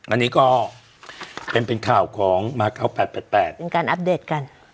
อันนี้ก็เป็นข่าวของมา๙๘๘เป็นการอัปเดตกัน